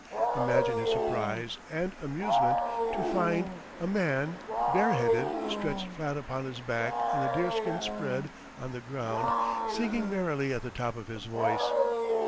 Imagine his surprise and amusement to find "a man bare headed, stretched flat upon his back on a deerskin spread on the ground, singing merrily at the top of his voice!"